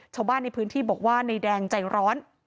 ชาวบ้านในพื้นที่บอกว่านายแดงใจร้อน